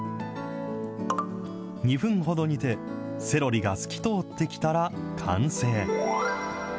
２分ほど煮て、セロリが透き通ってきたら完成。